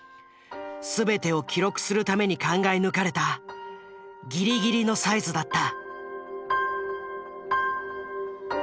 全てを記録するために考え抜かれたギリギリのサイズだった。